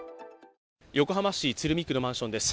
横浜市鶴見区のマンションです。